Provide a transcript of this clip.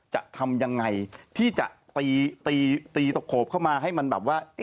จะทำยังไงที่จะตีตีตะโขบเข้ามาให้มันแบบว่า